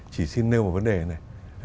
chỉ xin nêu một vấn đề này